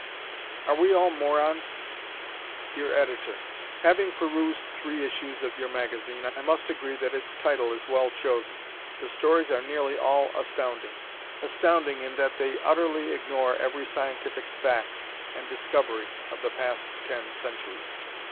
Are We All "Morons?" Dear Editor: Having perused three issues of your magazine, I must agree that its title is well chosen. The stories are nearly all "astounding"; astounding in that they utterly ignore every scientific fact and discovery of the past ten centuries.